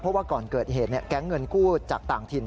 เพราะว่าก่อนเกิดเหตุแก๊งเงินกู้จากต่างถิ่น